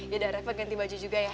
yaudah repot ganti baju juga ya